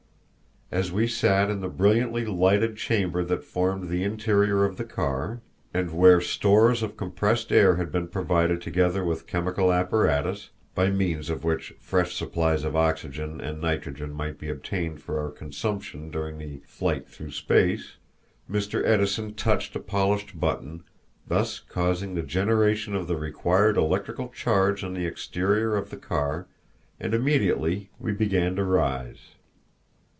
As we sat in the brilliantly lighted chamber that formed the interior of the car, and where stores of compressed air had been provided together with chemical apparatus, by means of which fresh supplies of oxygen and nitrogen might be obtained for our consumption during the flight through space, Mr. Edison touched a polished button, thus causing the generation of the required electrical charge on the exterior of the car, and immediately we began to rise.